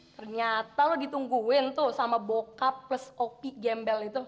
ternyata lo ditungguin tuh sama bokap plus oki gembel itu